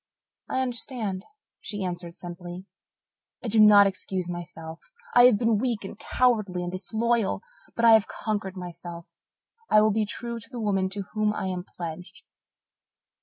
"I understand," she answered simply. "I do not excuse myself I have been weak and cowardly and disloyal. But I have conquered myself I will be true to the woman to whom I am pledged.